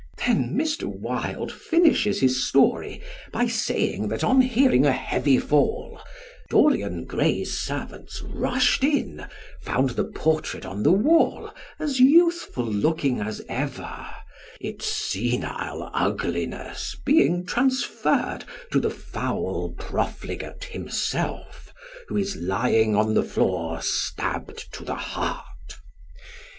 Then Mr. Wilde finishes his story by saying that on hearing a heavy fall Dorian Gray's servants rushed in, found the portrait on the wall as youthful looking as ever, its senile ugliness being transferred to the foul profligate himself, who is lying on the floor stabbed to the heart.